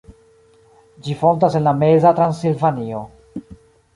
Ĝi fontas en la meza Transilvanio.